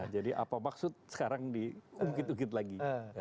apa maksud sekarang diungkit ungkit lagi